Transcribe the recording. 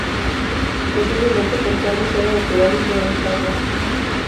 Posiblemente porque ambos eran naturales de Halicarnaso.